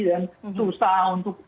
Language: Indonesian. dan susah untuk